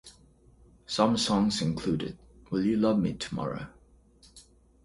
Some songs included: Will You Love Me Tomorrow?